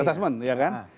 assessment ya kan